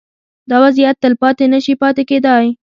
دا وضعیت تلپاتې نه شي پاتې کېدای.